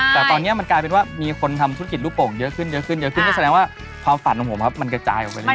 แต่ตอนนี้มันกลายเป็นว่ามีคนทำธุรกิจลูกโป่งเยอะขึ้นเยอะขึ้นเยอะขึ้นก็แสดงว่าความฝันของผมครับมันกระจายออกไปเรื